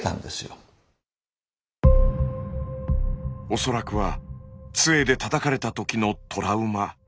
恐らくはつえでたたかれた時のトラウマ。